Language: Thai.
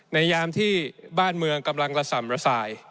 ยามที่บ้านเมืองกำลังระส่ำระสาย